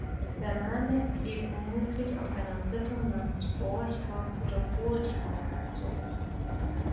Der Name geht vermutlich auf einen Ritter namens Borchard oder Burchard zurück.